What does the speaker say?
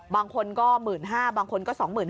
บางคน๑๕๐๐๐บางคน๒๕๐๐๐